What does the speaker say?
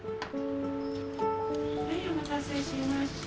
はいお待たせしました。